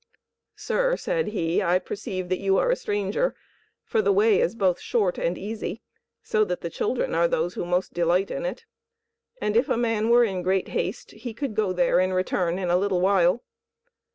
"Sir," said he, "I perceive that you are a stranger, for the way is both short and easy, so that the children are those who most delight in it; and if a man were in great haste he could go there and return in a little while.